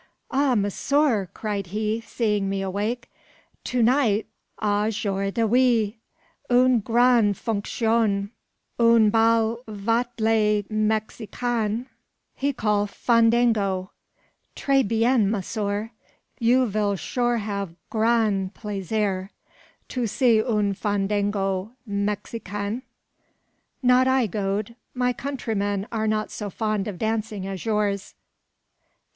"Ah, monsieur!" cried he, seeing me awake, "to night aujourd'hui une grande fonction one bal vat le Mexicain he call fandango. Tres bien, monsieur. You vill sure have grand plaisir to see un fandango Mexicain?" "Not I, Gode. My countrymen are not so fond of dancing as yours."